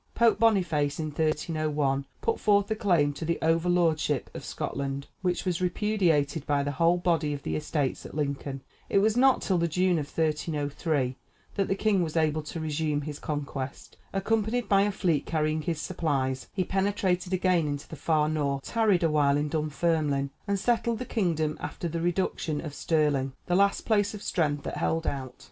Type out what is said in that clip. Pope Boniface, in 1301, put forth a claim to the over lordship of Scotland, which was repudiated by the whole body of the estates at Lincoln. It was not till the June of 1303 that the king was able to resume his conquest. Accompanied by a fleet carrying his supplies, he penetrated again into the far North, tarried a while in Dunfermline, and settled the kingdom after the reduction of Stirling, the last place of strength that held out.